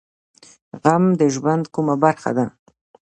غم د ژوند کومه برخه ده؟